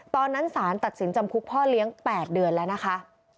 ตอนนั้นสารตัดสินจำคุกพ่อเลี้ยง๘เดือนแล้วนะคะ